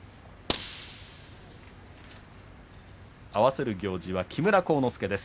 合わせる行司は木村晃之助です。